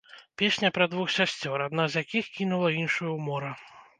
Песня пра двух сясцёр, адна з якіх кінула іншую ў мора.